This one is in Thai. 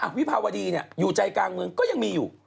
วิภาวดีอยู่ใจกลางเมืองก็ยังมีอยู่